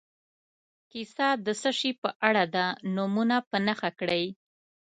کیسه د څه شي په اړه ده نومونه په نښه کړي.